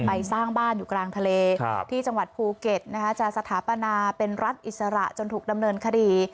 สร้างบ้านอยู่กลางทะเลที่จังหวัดภูเก็ตจะสถาปนาเป็นรัฐอิสระจนถูกดำเนินคดี